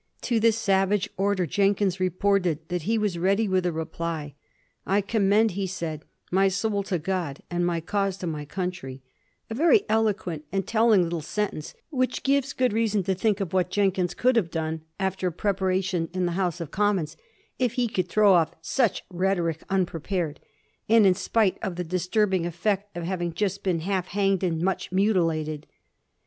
To this savage order Jenkins reported that he was ready with a reply: " I commend," he said, " my soul to God, and my cause to my country "— a very eloquent and telling little sentence, which gives good reason to think of what Jen kins could have done after preparation in the House of Commons if he could throw off such rhetoric unprepared, and in spite of the disturbing effect of having just been half hanged and much mutilated.